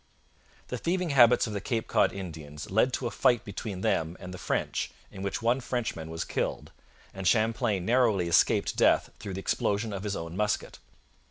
The thieving habits of the Cape Cod Indians led to a fight between them and the French in which one Frenchman was killed, and Champlain narrowly escaped death through the explosion of his own musket.